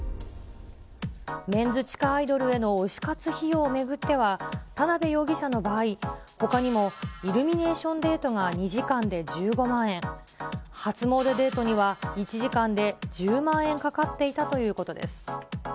メンズ地下アイドルへの推し活費用を巡っては、田辺容疑者の場合、ほかにもイルミネーションデートが２時間で１５万円、初詣デートには１時間で１０万円かかっていたということです。